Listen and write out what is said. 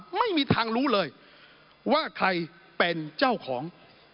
ไม่มีทางรู้เลยว่าใครเป็นเจ้าของ